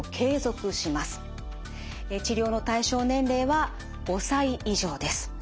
治療の対象年齢は５歳以上です。